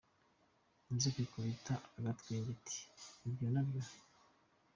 Inzoka ikubita agatwenge! Iti “Ibyo na byo!”.